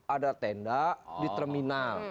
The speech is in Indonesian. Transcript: ada tenda di terminal